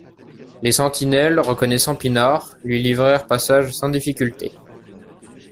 Les sentinelles, reconnaissant Pinard, lui livrèrent passage sans difficulté.